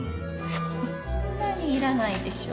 そんなにいらないでしょ